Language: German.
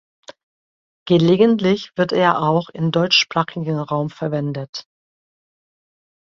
Gelegentlich wird er auch im deutschsprachigen Raum verwendet.